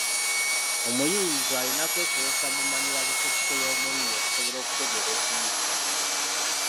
Omuyiiyizwa alina kwesolossa mu mmanyirabukusike y’omuyiiya okusobola okutegeera ekiyiiye